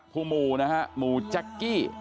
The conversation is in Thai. ผู้หมู่นะครับหมู่จั๊กกี้